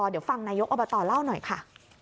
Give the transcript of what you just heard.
เดี๋ยวฟังนายกอบตเล่าหน่อยค่ะ